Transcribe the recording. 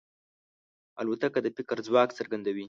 الوتکه د فکر ځواک څرګندوي.